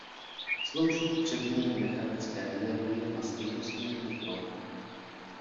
Slouží k přeměně mechanické energie na stejnosměrný proud.